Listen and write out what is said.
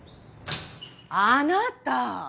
あなた！